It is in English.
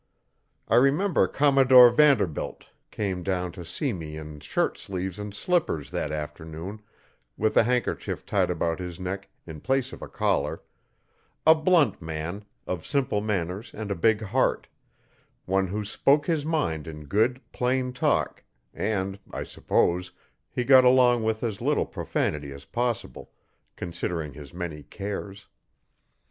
I remember Commodore Vanderbilt came down to see me in shirt sleeves and slippers that afternoon, with a handkerchief tied about his neck in place of a collar a blunt man, of simple manners and a big heart, one who spoke his mind in good, plain talk, and, I suppose, he got along with as little profanity as possible, considering his many cares.